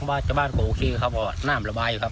เพราะมันคือรายได้หาเลี้ยงครอบครัวของ๒๐ครอบครัวแล้วนะครับ